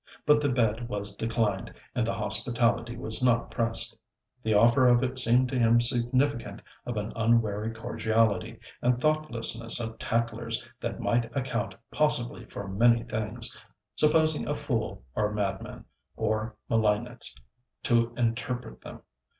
But the bed was declined, and the hospitality was not pressed. The offer of it seemed to him significant of an unwary cordiality and thoughtlessness of tattlers that might account possibly for many things supposing a fool or madman, or malignants, to interpret them.